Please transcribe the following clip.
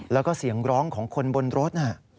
แล้วก็เสียงร้องของคนบนรถน่ะ